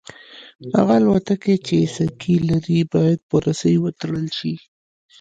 هغه الوتکې چې سکي لري باید په رسۍ وتړل شي